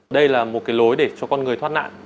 đây là một cái lối để cho con người thoát nạn